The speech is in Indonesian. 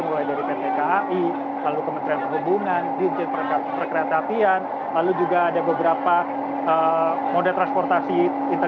mulai dari pt kai lalu kementerian perhubungan dirjen perkereta apian lalu juga ada beberapa moda transportasi